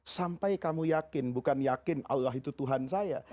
sampai kamu yakin bukan yakin allah itu tuhan saya